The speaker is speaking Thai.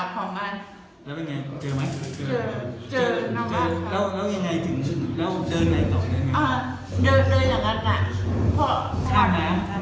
ไปเดินไปหา